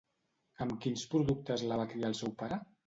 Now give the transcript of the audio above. Amb quins productes la va criar el seu pare?